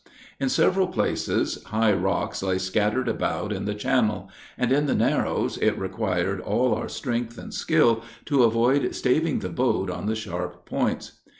In several places, high rocks lay scattered about in the channel; and, in the narrows, it required all our strength and skill to avoid staving the boat on the sharp points.